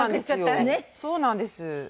そうなんですよ。